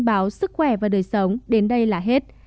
báo sức khỏe và đời sống đến đây là hết